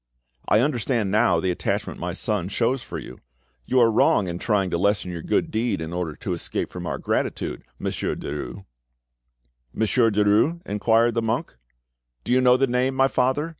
"I understand now the attachment my son shows for you. You are wrong in trying to lessen your good deed in order to escape from our gratitude, Monsieur Derues." "Monsieur Derues?" inquired the monk. "Do you know the name, my father?"